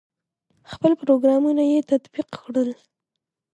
خپل پروګرامونه یې تطبیق کړل.